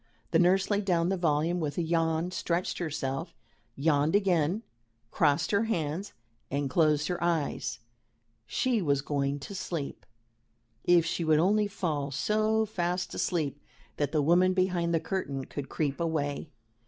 The nurse laid down the volume with a yawn, stretched herself, yawned again, crossed her hands, and closed her eyes. She was going to sleep. If she would only fall so fast asleep that the woman behind the curtain could creep away!